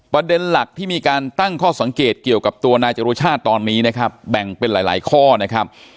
ประเด็นหลักที่มีการตั้งข้อสังเกตเกี่ยวกับตัวนายจรุชาติตอนนี้นะครับแบ่งเป็นหลายข้อนะครับ